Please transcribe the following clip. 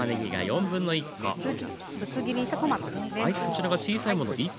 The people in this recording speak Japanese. ぶつ切りにしたトマトですね。